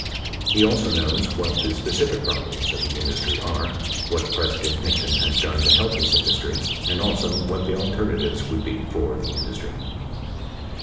He also knows what the specific problems of the industry are, what President Nixon has done to help his industry and also what the alternatives would be for the industry.